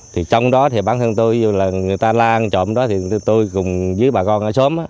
trong đó thì bản thân tôi người ta la ăn trộm đó tôi cùng với bà con ở xóm